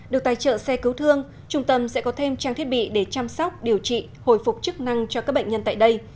được tài trợ xe cứu thương trung tâm sẽ có thêm trang thiết bị để chăm sóc điều trị hồi phục chức năng cho các bệnh nhân tại đây